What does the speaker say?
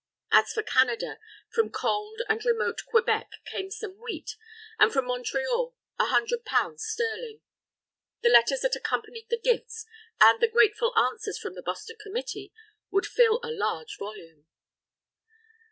As for Canada, from cold and remote Quebec came some wheat, and from Montreal a hundred pounds sterling. The letters that accompanied the gifts, and the grateful answers from the Boston Committee, would fill a large volume.